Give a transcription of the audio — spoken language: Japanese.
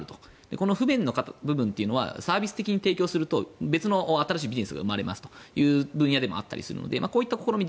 この不便の部分はサービス的に提供すると別の新しいビジネスが生まれますという分野でもあったりするのでこういった試み